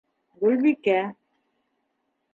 Гөлбикә